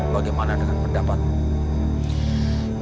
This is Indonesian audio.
bagaimana dengan pendapatmu